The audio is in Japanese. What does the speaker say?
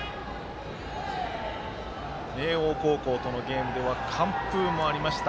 明桜高校とのゲームでは完封もありました。